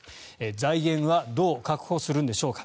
財源はどう確保するんでしょうか。